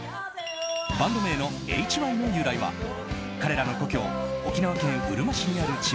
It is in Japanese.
バンド名のＨＹの由来は彼らの故郷沖縄県うるま市にある地